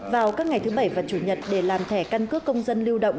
vào các ngày thứ bảy và chủ nhật để làm thẻ căn cước công dân lưu động